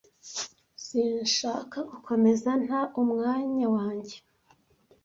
sinshaka gukomeza nta umwanya wanjye